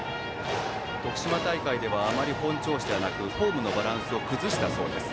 徳島大会ではあまり本調子ではなくフォームのバランスを崩したそうです。